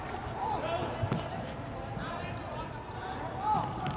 สวัสดีครับทุกคน